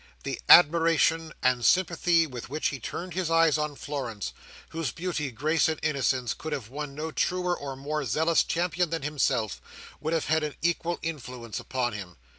The admiration and sympathy with which he turned his eyes on Florence, whose beauty, grace, and innocence could have won no truer or more zealous champion than himself, would have had an equal influence upon him.